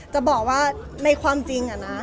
จะบอกว่าในความจริงอะนะ